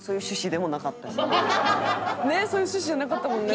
ねえそういう趣旨じゃなかったもんね